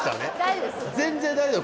全然大丈夫。